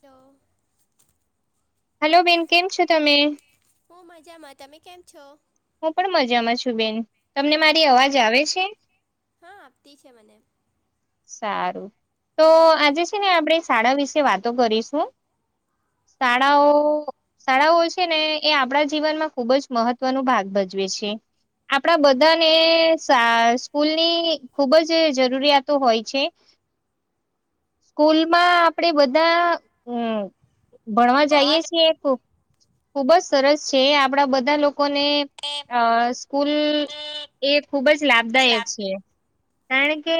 તો હલો બેન કેમ છો તમે હું મજામાં તમે કેમ છો હું પણ મજામાં છું બેન તમને મારી અવાજ આવે છે હા આપતી છે મને સારું તો આજે છે ને આપણેે શાળા વિશે વાતો કરીશું શાળાઓ શાળાઓ છે ને એ આપણા જીવનમાં ખુબ જ મહત્વનો ભાગ ભજવે છે આપણા બધાને સ્કૂલની ખુબ જ જરૂરિયાત હોય છે સ્કૂલમાં આપણેે બધા ભણવા જઈએ છે એક ખુબ જ સરસ છે આપણા બધા લોકોને અ સ્કૂલ એ ખુબ જ લાભદાયક લાભ છે કારણ કે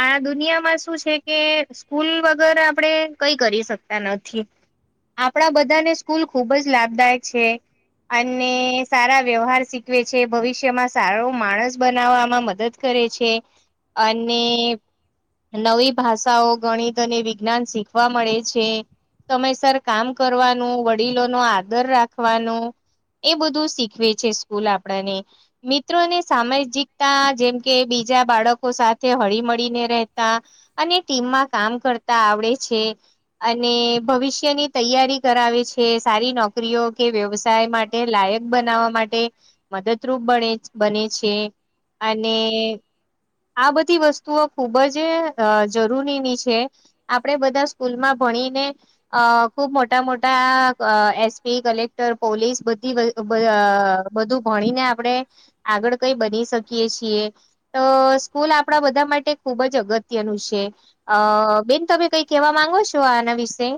આ દુનિયામાં શું છે કે સ્કૂલ વગર આપડે કઈ કરી શકતા નથી આપણા બધાને સ્કૂલ ખુબ જ લાભદાયક છે અને સારા વ્યવહાર શીખવે છે ભવિષ્યમાં સારો માણસ બનાવવામાં મદદ કરે છે અને નવી ભાષાઓ ગણિત અને વિજ્ઞાન શીખવા મળે છે તમે સર કામ કરવાનું વડીલો નો આદર રાખવાનું એ બધું શીખવે છે સ્કૂલ આપણને મિત્રોને સામાજિકતા જેમ કે બીજા બાળકો સાથે હળી મળી તા અને ટીમમાં કામ કરતા આવડે છે અને ભવિષ્યની તૈયારી કરાવે છે સારી નોકરીઓ કે વ્યવસાય માટે તે લાયક બનાવવા માટે મદદરૂપ બને બને છે અને આ બધી વસ્તુ વસ્તુઓ ખૂબ જ જરૂરીની છે આપણે બધા સ્કૂલમાં ભણીને અ ખુબ મોટા મોટા એસપી પોલીસ બધું ભણીને આપણે આગળ કઈ બની શકીએ છીએ અ સ્કૂલ આપણા બધા માટે ખુબ જ અગત્યનું છે અ બેન તમે કઈ કેવા માંગો છો આના વિશે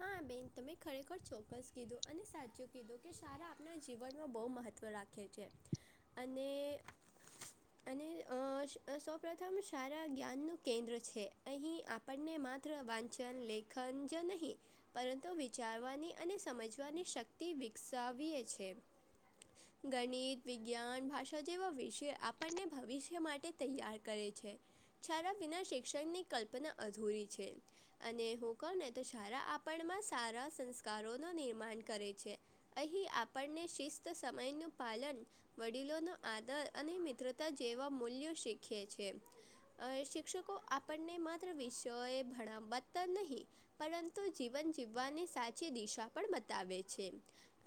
હા બેન તમે ખરેખર ચોક્કસ કીધું અને સાચું કીધું કે સારા આપ જીવનમાં બહુ મહત્વ રાખે ખે છે અને અને અને અ સૌપ્રથમ સારા જ્ઞાનનુંું કેન્દ્ર છે અહીં આપણને માત્ર વાંચન લેખન જ નહીં પરંતુ વિચારવાની અને સમજવાની શક્તિ વિકસાવીએ છે ગણિત વિજ્ઞાન ભાષા જેવા વિષય આપણને ભવિષ્ય માટે તૈયાર કરે છે શાળા વિના શિક્ષણની કલ્પના અધૂરી છે અને હું કહું ને તો શાળા આપ નાનપણ માં સારા સંસ્કારોનું નિર્માણ કરે છે અહીં આપણને શિસ્ત સમયનું પાલન વડીલોનો આદર અને મિત્રતા જેવા મૂલ્યો શીખે છે શિક્ષકો આપણને માત્ર વિષયોએ ભણતા નહીં પરંતુ જીવન જીવવાની સાચી દિશા પણ બતાવે છે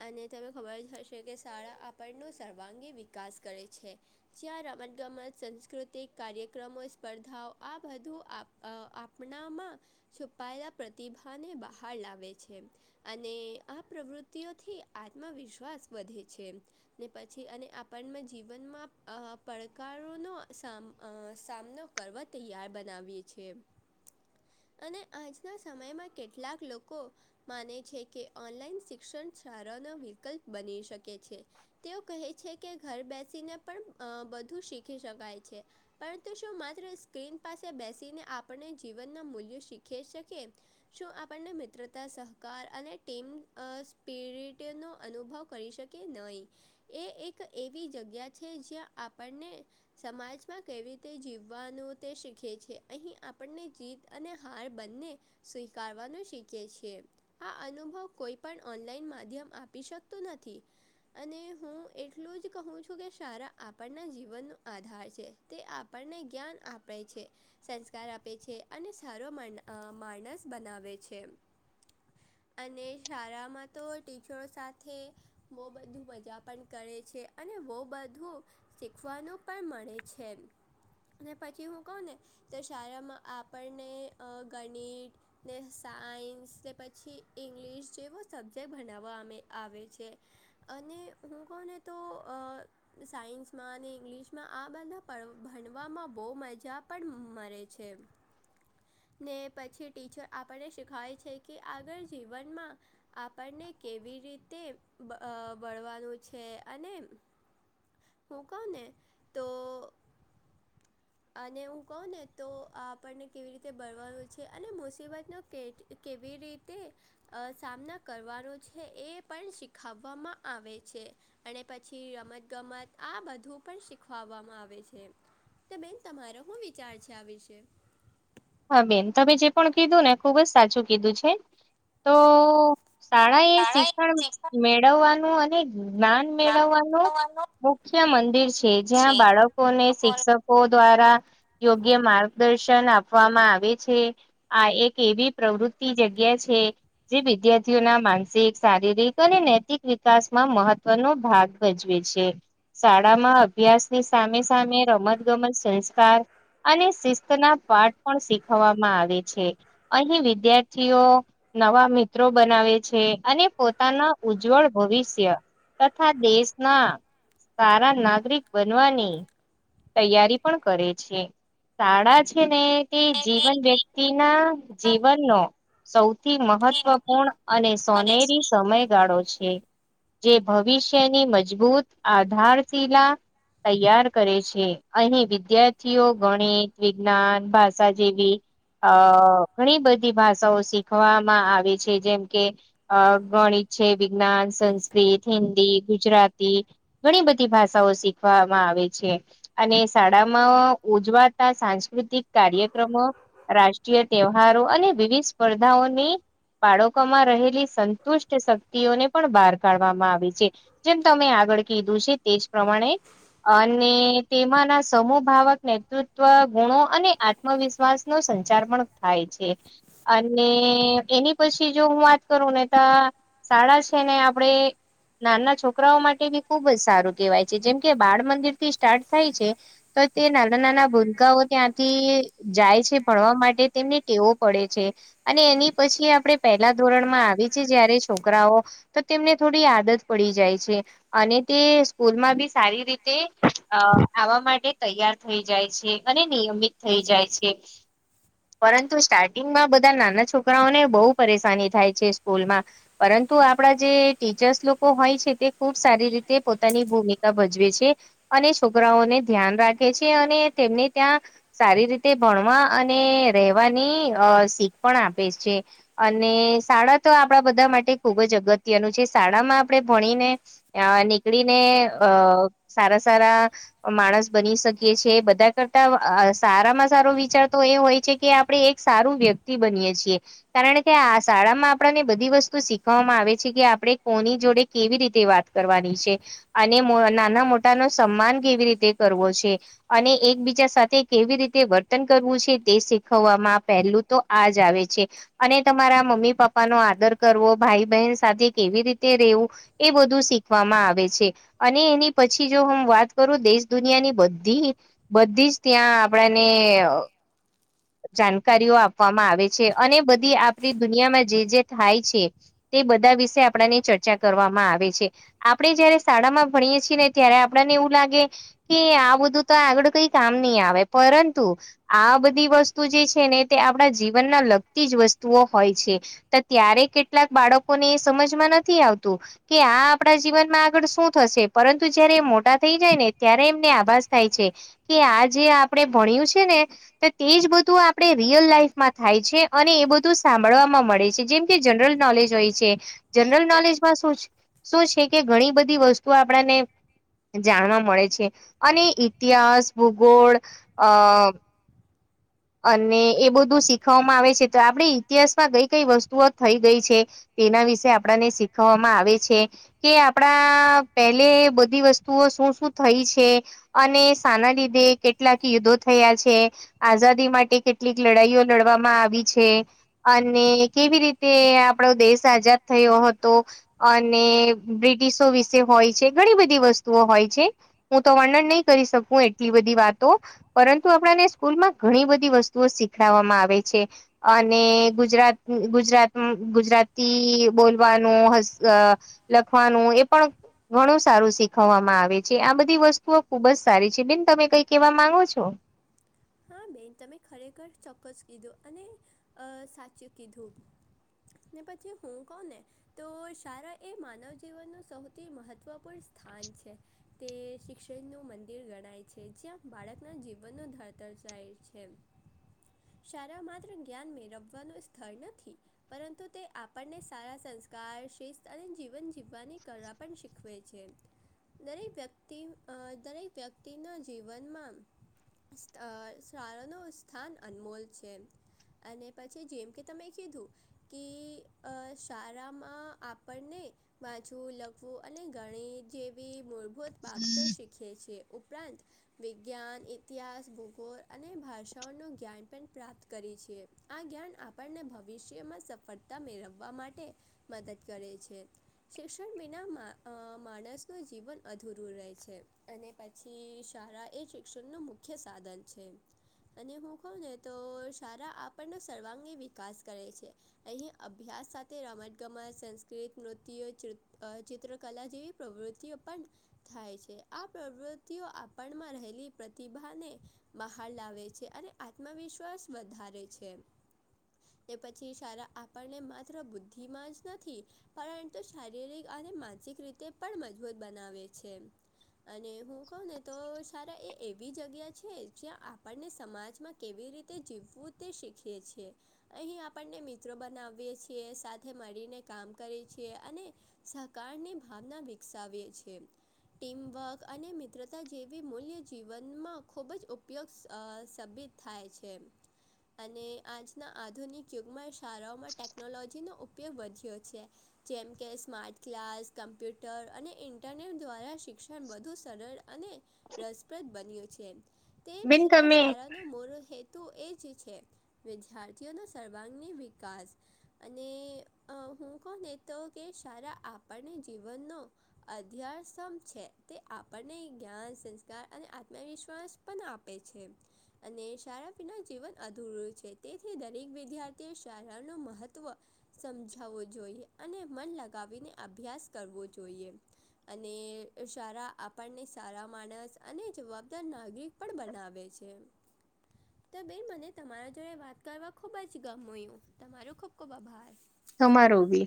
અને તને ખબર જ હશે કે શાળા આપણનો સર્વાંગી વિકાસ કરે છે જ્યા રમત ગમત સાસ્કૃતિક કાર્યક્રમો સ્પર્ધાઓ આ બધું આપ અ આપણામાં છુપાયેલા પ્રતિભાને બહાર લાવે છે. અને આ પ્રવૃત્તિઓથી આત્મવિશ્વાસ વધે છે. ને પછી અને આપણમાં જીવનમાં પડકારોનો સામ સામનો પર્વ તૈયાર બનાવીએ છીએ અને આજના સમયમાં કેટલાક લોકો માને છે કે ઓનલાઈન શિક્ષણ શાળાનો વિકલ્પ બની શકે છે. તેઓ કહે છે કે ઘર બેસીને પણ બધું શીખી શકાય છે. પરંતુ શું માત્ર સ્ક્રીન પાસે બેસીને આપણે જીવનના મૂલ્યો શીખી શકીએ? શું આપણને મિત્રતા સહકાર અને ટીમ સ્પિરિટનો અનુભવ કરી શકે? કે નહીં એ એક એવી જગ્યા છે જ્યાં આપણને સમાજમાં કેવી રીતે જીવવાનું તે શીખે છે, અહીં આપણને જીત અને હાર બંને સ્વીકારવાનું શીખીએ છીએ. આ અનુભવ કોઈ પણ ઓનલાઈન માધ્યમ આપી શકતુ નથી. અને હું એટલું જ કહું છું કે શાળા આપણના જીવનનો આધાર છે. તે આપણને જ્ઞાન આપે છે સંસ્કાર આપે છે અને સારો માન માણસ બનાવે છે અને શાળામાં તો ટીચરો સાથે બહું બધું મજા પણ કરે છે અને બહ બધું શીખવાનું પણ મળે છે. અને કહું ને તો શાળામાં આપણને અ ગણિત ને સાયન્સ તે પછી ઇંગ્લિશ જેવો સબ્જેક્ટ ભણાવવામાં આવે છે. અને હું કોને તો અ સાયન્સમાં અને ઇંગ્લિશમાં આ બધા ભણવામાં બહુ મજા પણ મળે છે. ને પછી ટીચર આપણને શીખાય છે કે આગળ જીવનમાં આપણને કેવી રીતે વળવાનું છે અને હું કવ ને તો અને હું કહું ને તો આપણને કેવી રીતે ભળવાનું છે અને મુસીબતનો કે કેવી રીતે અ સામના કરવાનો છે એ પણ શીખવવામાં આવે છે. અને પછી રમત ગમત આ બધું પણ શીખવાવામાં આવે છે. તો બેન તમારો શું વિચાર છે આ વિશે? હા બેન તમે જે પણ કીધું ને ખુબ જ સાચું કીધું છે. તો શાળા એ શિક્ષણ મેળવવાનું અને જ્ઞાન શિક્ષણ મેળવવાનું વાનું મુખ્ય મંદિર છે જ્યાં બાળકોને લોકોને શિક્ષણ દ્વારા યોગ્ય માર્ગદર્શન આપ આપવામાં આવે છે, આ એક એવી પ્રવૃતિ જગ્યા છે. જે વિદ્યાર્થીઓ ના માનસિક, શારીરિક અને નૈતિક વિકાસમાં મહત્વનો ભાગ ભજવે છે. શાળામાં અભ્યાસની સામે સામે રમત ગમત સંસ્કાર અને શિસ્તના પાઠ પણ શીખવામાં આવે છે. અહીં વિદ્યાર્થીઓ નવા મિત્રો બનાવે છે અને પોતાના ઉજવળ ભવિષ્ય તથા દેશના સારા નાગરિક બનવાની તૈયારી પણ કરે છે. શાળા છે ને તે જીવન વ્યક્તિ ના જીવનનો સૌથી મહત્વપૂર્ણ અને સોનેરી સમયગાળો છે. જે ભવિષ્યની મજબૂત આધારશિલા તૈયાર કરે છે. અહીં વિદ્યાર્થીઓ ગણિત, વિજ્ઞાન ભાષ ભાષા જેવી અ ઘણી બધી ભાષાઓ શીખવામાં આવે છે, જેમ કે અ ગણિત છે. વિજ્ઞાન, સંસ્કૃત, હિન્દી, ગુજરાતી ઘણી બધી ભાષાઓ શીખવામાં આવે છે. અને શાળામાં ઉજવાતા સાંસ્કૃતિક કાર્યક્રમો, રાષ્ટ્રીય તહેવારો અને વિવિધ સ્પર્ધાઓની બાળકોમાં રહેલી સંતુષ્ટ શક્તિઓને પણ બહાર કાઢવામાં આવી છે. જેમ તમે આગળ કીધું છે. તે જ પ્રમાણે અને તેમાંના સમૂહભાવક નેતૃત્વ, ગુણો અને આત્મવિશ્વાસનો સંચાર પણ થાય છે. અને એની પછી જો હું વાત કરું ને તા શાળા છે ને આપડે નાના છોકરાઓ માટે બી ખુબ જ સારું કહેવાય છે. જેમ કે બાળ મંદિરથી સ્ટાર્ટ થાય છે. તો તે નાના નાના ભૂરકાઓ ત્યાં થી જાય છે ભણવા માટે તેમને ટેવો પડે છે. અને એની પછી આપણેે પહેલા ધોરણમાં આવી છે. જયારે છોકરાઓ તો તેમને થોડી આદત પડી જાય છે. અને તે સ્કૂલમાં બી સારી રીતે અ આવવા માટે તૈયાર થઈ જાય છે, અને નિયમિત થઈ જાય છે. પરંતુ સ્ટાર્ટિંગમાં બધા નાના છોકરાઓને બહુ પરેશાની થાય છે સ્કૂલમાં પરંતુ આપડા જે ટીચર્સ લોકો હોય છે તે ખુબ સારી રીતે પોતાની ભૂમિકા ભજવે છે. અને છોકરાઓને ધ્યાન રાખે છે અને તેમને ત્યાં સારી રીતે ભણવા અને રહેવાની અ શીખ પણ આપે છે. અને શાળા તો આપણા બધા માટે ખુબ જ અગત્યનું છે. શાળામાં આપણે ભણીને અ નીકળીને અ સારા સારા માણસ બની શકીએ છે બધા કરતા અ સારામાં સારો વિચાર તો એ હોય છે આપડે એક સારું વ્યક્તિ બનીયે છીએ કારણ કે આ શાળામાં આપડાને બધી વસ્તુ શીખવામાં આવે છે કે આપડે કોની જોડે કેવી રીતે વાત કરવાની છે. અને મો નાના મોટાનો સન્માન કેવી રીતે કરવો છે અને એકબીજા સાથે કેવી રીતે વર્તન કરવું છે. તે શીખવવામાં પહેલું તો આજ જ આવે છે. અને તમારા મમ્મી પપ્પાનો આદર કરવો ભાઈ બહેન સાથે કેવી રીતે રેવું એ બધું શીખવામાં આવે છે. અને એની પછી જો હમ વાત કરું દેશ દુનિયાની બધી બધી જ ત્યાં આપડાને અ જાણકારીઓ આપવામાં આવે છે અને બધી આપણી દુનિયામાં જે જે થાય છે. તે બધા વિશે આપડાને ચર્ચા કરવામાં આવે છે. આપડે જયારે શાળામાં ભણીએ છીએ ને ત્યારે આપડાને એવું લાગે કે આ બધું તો આગળ કઈ કામ ની આવે પરંતુ આ બધી વસ્તુ જે છે ને તે આ આપણા જીવનના લગતી જ વસ્તુઓ હોય છે. તો ત્યારે કેટલાક બાળકોને સમજમાં નથી આવતું. કે આ આપણા જીવનમાં આગળ શું પરંતુ જયારે મોટા થઈ જાય ને ત્યારે એમને આભાસ થાય છે. કે આ જે આપણે ભણ્યું છે ને તો તે જ બધું આપણે રિયલ લાઈફમાં થાય છે અને એ બધું સાંભળવામાં મળે છે જેમ કે જનરલ નોલેજ હોય છે જનરલ નોલેજમાં શું શું છે કે ઘણી બધી વસ્તુઓ આપણાને જાણવા મળે છે અને ઇતિહાસ, ભૂગોળ અ અને એ બધું શીખવામાં આવે છે તો આપડી ઇતિહાસમાં કઈ કઈ વસ્તુઓ થઈ ગઈ છે. તેના વિશે આપણને શીખવામાં આવે છે કે આપણા પહેલે બધી વસ્તુઓ શું શું થઈ છે અને સાના લીધે કેટલાક યુદ્ધો થયા છે આઝાદ કેટલીક લડવામાં આવી છે અને કેવી રીતે આપડો દેશ આઝાદ થયો હતો અને બ્રિટિશો વિશે હોય છે ઘણી બધી વસ્તુઓ હોય છે હું તો વર્ણન નહી કરી શકું એટલી બધી વાતો પરંતુ આપણાને સ્કૂલમાં ઘણી બધી વસ્તુઓ શીખડવામાં આવે છે અને ગુજરાત ગુજરાત ગુજરાતી બોલવાનો હસ લખવાનું એ પણ ઘણું સારું શીખવવામાં આવે છે આ બધી વસ્તુઓ ખુબ જ સારી છે બેિન તમે કઈ કેવા માંગો છો હા બેન તમે ખરેખર ચોક્કસ કીધું અને સાચું કીધું ને પછી હું કોને તો શાળા એ માનવ જીવનનું સૌથી મહત્વપૂર્ણ સ્થાન છે તે શિક્ષણ નું મંદિર ગણાય છે જ્યાં બાળકના જીવનનો ધર શાળા માત્ર જ્ઞાન મે રમવાનું સ્થળ નથી પરંતુ તે આપણને સારા સંસ્કાર શિસ્ત અને જીવન જીવવાની કર પણ શીખવે છે દરેક વ્યક્તિ દરેક વ્યક્તિના જીવનમાં શાળનું સ્થાન અનમોલ છે અને પછી જેમ કે તમે કીધું કે શાળામાં આપણને વાચવું લખવું અને ઘણી જે મૂળભૂત બાબતો શીખે છે ઉપરાંત વિજ્ઞાન ઇતિહાસ ભૂગો અને ભાષાઓનું જ્ઞાન પણ પ્રાપ્ત કરી છે આ જ્ઞાન આપણને ભવિષ્યમાં સ ફરતા મેળવવા માટે મદદ કરે છે શિક્ષણ વિના માણસનું જીવન અધૂરું રહે છે અને પછી શાળા એ શિક્ષણનું મુખ્ય સાધન છે અને હું કહઉું ને તો શાળા આપણનો સર્વાંગી વિકાસ કરે છે અહીં અભ્યાસ સાથે રમત ગમત સંસ્કૃત નૃત્ય ચિત્રકલા જેવી પ્રવૃત્તિઓ પણ થાય છે આ પ્રવૃતિઓ આપણમાં રહેલી સભાને મહહાાર લાવે છે અને આત્મવિશ્વાસ વધારે છે એ પછી સારા આપણને માત્ર બુદ્ધિમાં જ નથી પરંતુ શારીરિક અને માનસિક રીતે પણ મજબૂત બનાવે છે અને હું કહ ને તો સારા એ એવી જગ્યા છે જ્યાં આપણને સમાજમાં કેવી રીતે જીવવું તે શીખીએ છેીએ અહી આપણને મિત્રો બનાવીએ છીએ સાથે મળીને કામ કરીએ છીએ અને સહકારની ભાવના વિકસાવે છે ટીમવર્ક અને મિત્રતા જેવી મૂલ્ય જીવનમાં ખૂબ જ ઉપયોગ સાબિત થાય છે અને આધુનિક શાળાઓમાં ટેકનોલોજીનો ઉપયોગ વધ્યો છે જેમ સ્માર્ટ ક્લાસ કમ્પ્યુટર ઇન્ટરનેટ દ્વારા શિક્ષણ વધુ સરળ અને રસપ્રદ બન્યું છે તેમ બેન છતાં તમે શારા નું મોર હેતુ એ જ છે વિદ્યાર્થીઓનો સર્વાંગી વિકાસ અને અ હુ કોને તો કે સારા આપણને જીવનનો અધ્યાસમ છે તે આપણને જ્ઞાન સ્સ તા અને આત્મવિશ્વાસ પન આપે છે. અને શારા વિના જીવન અધૂરું છે, તેથી દરેક વિદ્યાર્થીઓ શારાનું મહત્ત્વ સમઝાવું જોઈએ. અને મન લગાવીને અભ્યાસ કરવો જોઈએ. અને, અ સારા આપણને સારા માણસ અને જવાબદાર નાગરિક પણ બનાવે છે. ત બેન મને તમારા જોડે વાત કરવા ખુબ જ ગમયું, તમારું ખુબ ખુબ આભાર. તમારો બી